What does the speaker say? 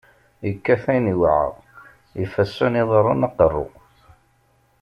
yekkat akken iweɛa, ifassen, iḍaren, aqeṛṛu.